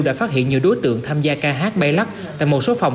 đã phát hiện nhiều đối tượng tham gia ca hát bay lắc tại một số phòng